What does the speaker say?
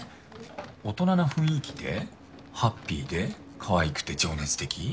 大人な雰囲気でハッピーで可愛くて情熱的？